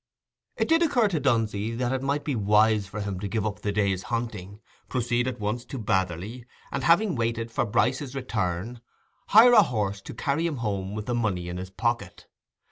It did occur to Dunsey that it might be wise for him to give up the day's hunting, proceed at once to Batherley, and, having waited for Bryce's return, hire a horse to carry him home with the money in his pocket.